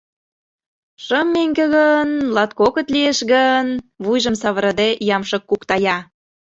— Шым меҥге гын... латкокыт лиеш гын!... — вуйжым савырыде ямшык куктая.